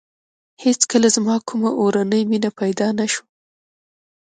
هېڅکله زما کومه اورنۍ مینه پیدا نه شوه.